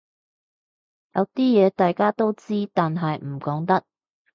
有啲嘢大家都知但係唔講得